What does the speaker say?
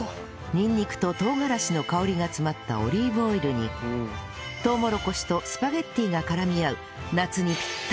にんにくと唐辛子の香りが詰まったオリーブオイルにとうもろこしとスパゲッティが絡み合う夏にピッタリ！